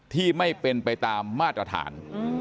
ที่ไม่เป็นไปตามมาตรฐาน